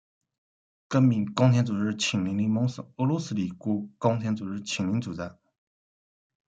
革命共产主义青年联盟是俄罗斯的一个共产主义青年组织。